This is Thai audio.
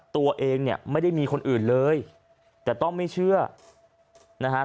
ตัวเองเนี่ยไม่ได้มีคนอื่นเลยแต่ต้องไม่เชื่อนะฮะ